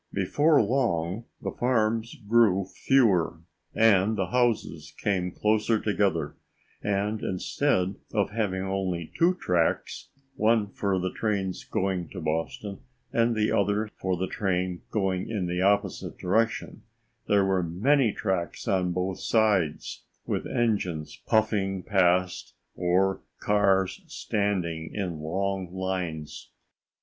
Before long, the farms grew fewer, and the houses came closer together and instead of having only two tracks, one for the trains going to Boston and the other for trains going in the opposite direction, there were many tracks on both sides, with engines puffing past or cars standing in long lines.